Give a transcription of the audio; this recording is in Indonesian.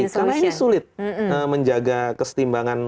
karena ini sulit menjaga kesetimbangan